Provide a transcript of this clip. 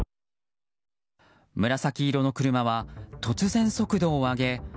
紫色の車は突然速度を上げ